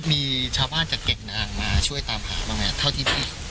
มีชาวบ้านจากแก่งนางมาช่วยตามหาบ้างไหมเท่าที่มี